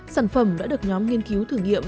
sản phẩm đã được nhóm nghiên cứu thử nghiệm